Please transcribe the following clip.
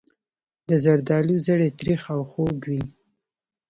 د زردالو زړې تریخ او خوږ وي.